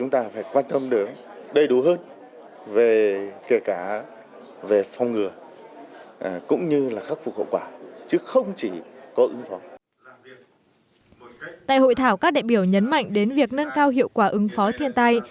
tại hội thảo các đại biểu nhấn mạnh đến việc nâng cao hiệu quả ứng phó thiên tai